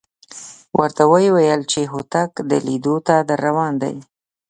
ورته وېویل چې هوتک د لیدو ته درروان دی.